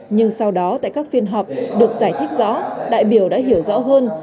nhưng sau đó tại các phiên họp được giải thích rõ đại biểu đã hiểu rõ hơn